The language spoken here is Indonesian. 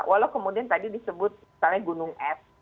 walau kemudian tadi disebut misalnya gunung es